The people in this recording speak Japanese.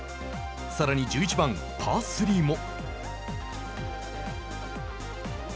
さらに１１番、パー３も。